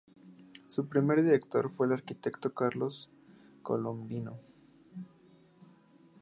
Su primer director fue el arquitecto Carlos Colombino.